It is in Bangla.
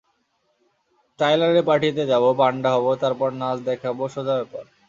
টায়লারের পার্টিতে যাব, পান্ডা হবো, তারপর নাচ দেখাব, সোজা ব্যাপার।